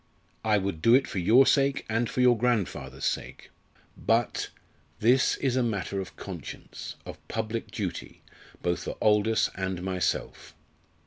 I would do it for your sake and for your grandfather's sake. But this is a matter of conscience, of public duty, both for Aldous and myself.